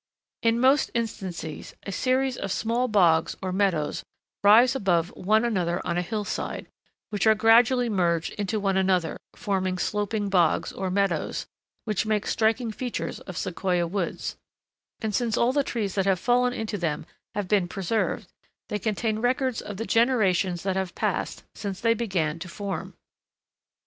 In some instances a series of small bogs or meadows rise above one another on a hillside, which are gradually merged into one another, forming sloping bogs, or meadows, which make striking features of Sequoia woods, and since all the trees that have fallen into them have been preserved, they contain records of the generations that have passed since they began to form.